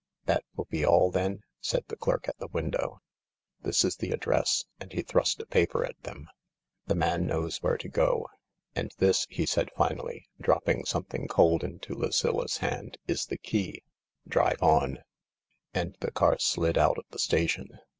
" That will be all then ?" said the clerk at the window. " This is the address," and he thrust a paper at them. " The man knows where to go. And this," he said finally, drop ping something cold into Lucilla 's hand, "is the key. Drive on 1 " And the car slid out of the station.